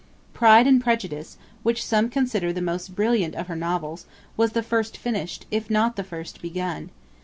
'Pride and Prejudice,' which some consider the most brilliant of her novels, was the first finished, if not the first begun.